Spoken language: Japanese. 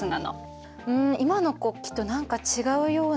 うん今の国旗と何か違うような。